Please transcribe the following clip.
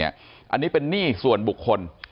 อันนี้เป็นหนี้ส่วนบุคคล